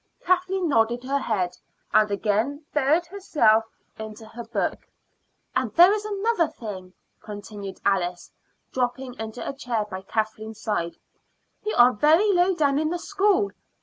Kathleen nodded her head, and again buried herself in her book. "And there is another thing," continued Alice, dropping into a chair by Kathleen's side. "You are very low down in the school.